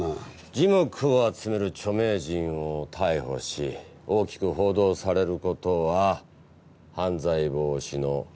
耳目を集める著名人を逮捕し大きく報道される事は犯罪防止の啓発に繋がります。